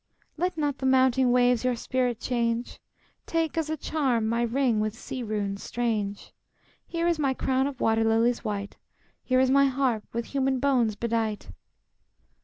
"Let not the mounting waves your spirit change! Take, as a charm, my ring with sea runes strange. Here is my crown of water lilies white, Here is my harp, with human bones bedight."